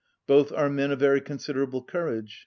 Both are men of very considerable courage.